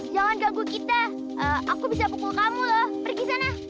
jangan ganggu kita aku bisa pukul kamu loh pergi sana